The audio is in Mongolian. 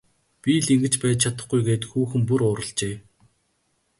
Би л ингэж байж чадахгүй гээд хүүхэн бүр уурлажээ.